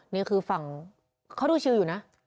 นี่คือฝั่งเขาดูชิลอยู่นะ